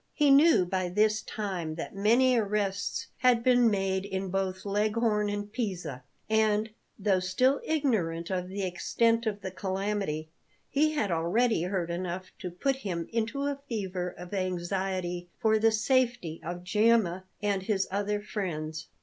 He knew by this time that many arrests had been made in both Leghorn and Pisa; and, though still ignorant of the extent of the calamity, he had already heard enough to put him into a fever of anxiety for the safety of Gemma and his other friends.